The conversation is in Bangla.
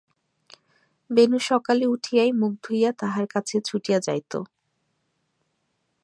বেণু সকালে উঠিয়াই মুখ ধুইয়া তাহার কাছে ছুটিয়া যাইত।